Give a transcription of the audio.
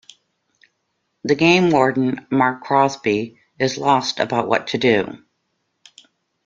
The game warden, Mark Crosby, is lost about what to do.